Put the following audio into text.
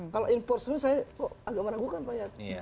kalau enforcement saya kok agak meragukan pak yat